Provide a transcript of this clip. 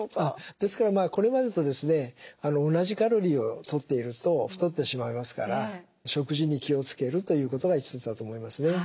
ですからこれまでと同じカロリーをとっていると太ってしまいますから食事に気を付けるということが一つだと思いますね。